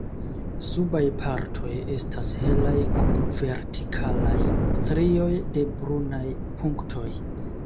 Subaj partoj estas helaj kun vertikalaj strioj de brunaj punktoj.